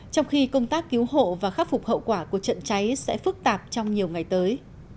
trong khi công tác cứu hộ và khắc phục hậu quả của trận cháy sẽ phức tạp trong nhiều ngày tới